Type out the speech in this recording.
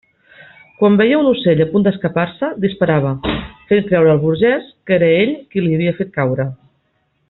Quan veia un ocell a punt d'escapar-se, disparava, fent creure al burgès que era ell qui l'havia fet caure.